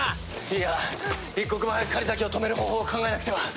いや一刻も早く狩崎を止める方法を考えなくては。